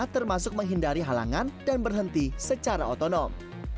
termasuk menghindari halangan dan berhenti secara otonom